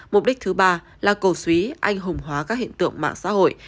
mục đích thứ ba là cổ suý anh hùng hóa các hiện tượng mạng xã hội